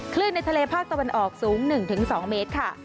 ในทะเลภาคตะวันออกสูง๑๒เมตรค่ะ